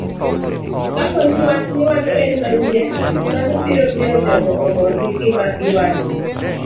Kapo ni wach miwacho en manyien, mano biro miyo jogo omor gi gima iwacho.